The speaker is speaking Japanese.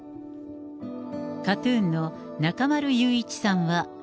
ＫＡＴ−ＴＵＮの中丸雄一さんは。